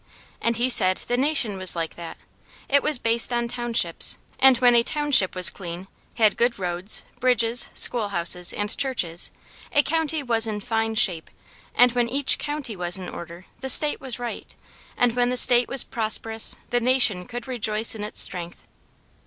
And he said the nation was like that; it was based on townships, and when a township was clean, had good roads, bridges, schoolhouses, and churches, a county was in fine shape, and when each county was in order, the state was right, and when the state was prosperous, the nation could rejoice in its strength.